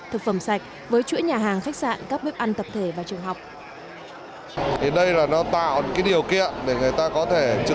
thực phẩm sạch với chuỗi nhà hàng khách sạn các bếp ăn tập thể và trường học